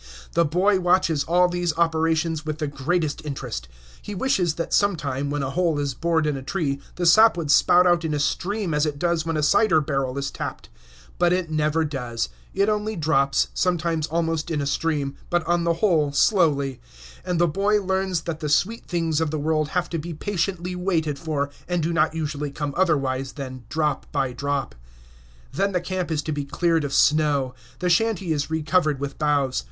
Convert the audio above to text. The boy watches all these operations with the greatest interest. He wishes that sometime, when a hole is bored in a tree, the sap would spout out in a stream as it does when a cider barrel is tapped; but it never does, it only drops, sometimes almost in a stream, but on the whole slowly, and the boy learns that the sweet things of the world have to be patiently waited for, and do not usually come otherwise than drop by drop. Then the camp is to be cleared of snow. The shanty is re covered with boughs.